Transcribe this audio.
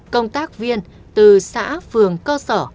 công tác viên từ xã phường cơ sở